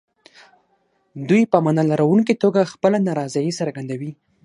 دوی په معنا لرونکي توګه خپله نارضايي څرګندوي.